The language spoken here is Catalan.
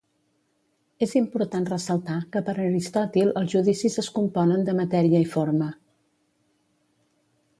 És important ressaltar que per Aristòtil els judicis es componen de matèria i forma.